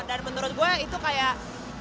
dan menurut gue itu kayak